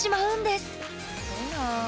すごいなあ。